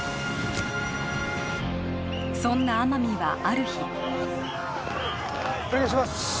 そんな天海はある日お願いします